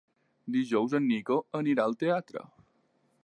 Dijous en Nico anirà al teatre.